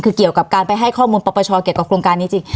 คือเกี่ยวกับการไปให้ข้อมูลปรปชเกี่ยวกับโครงการนี้จริง